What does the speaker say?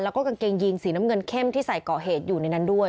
แล้วก็กางเกงยีนสีน้ำเงินเข้มที่ใส่ก่อเหตุอยู่ในนั้นด้วย